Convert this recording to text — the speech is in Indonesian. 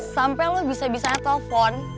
sampai lu bisa bisanya telfon